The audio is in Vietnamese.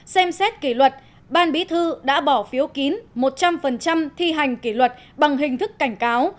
xem xét kỷ luật ban bí thư đã bỏ phiếu kín một trăm linh thi hành kỷ luật bằng hình thức cảnh cáo